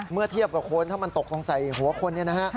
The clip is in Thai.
เมื่อเทียบกับคนถ้ามันตกต้องใส่หัวคน